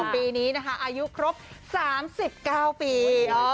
ปีนี้นะคะอายุครบ๓๙ปี